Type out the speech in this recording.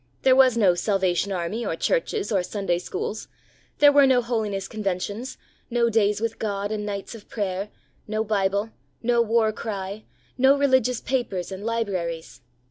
There was no Salvation Army or churches or Sunday schools, there were no holiness conventions, no days with God and nights of prayer, no Bible, no War Cfjy no religious papers and libraries.